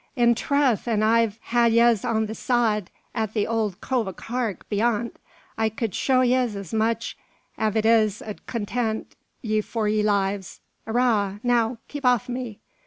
"In trath, an' iv I had yez on the sod, at the owld Cove o' Cark beyant, I cud show yez as much av it as 'ud contint ye for yer lives. Arrah, now, keep aff me!